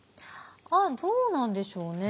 ああどうなんでしょうね？